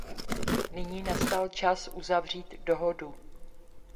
Nyní nastal čas uzavřít dohodu.